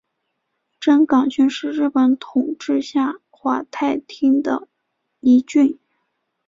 真冈郡是日本统治下桦太厅的一郡。